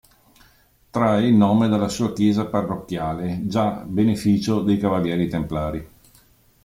Trae il nome dalla sua chiesa parrocchiale, già beneficio dei Cavalieri templari.